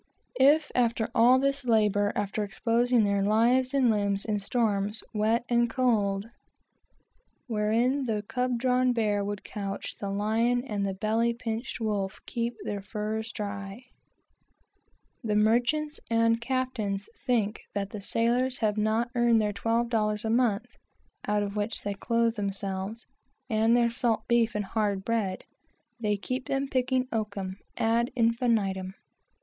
If, after all this labor after exposing their lives and limbs in storms, wet and cold, "Wherein the cub drawn bear would couch; The lion and the belly pinched wolf Keep their fur dry; " the merchants and captain think that they have not earned their twelve dollars a month, (out of which they clothe themselves,) and their salt beef and hard bread, they keep them picking oakum ad infinitum.